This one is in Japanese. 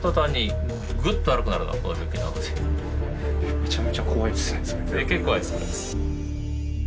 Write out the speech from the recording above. めちゃめちゃ怖いですね。